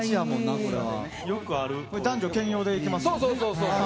男女兼用で行けますね。